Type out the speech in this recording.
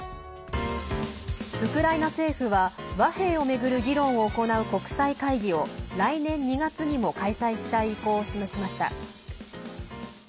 ウクライナ政府は和平を巡る議論を行う国際会議を来年２月にも開催したい意向を示しました。